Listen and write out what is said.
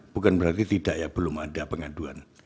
bukan berarti tidak ya belum ada pengaduan